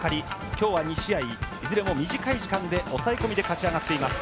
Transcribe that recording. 今日は２試合いずれも短い時間で抑え込みで勝ち上がっています。